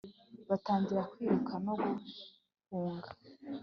batangira kwiruka no guhunga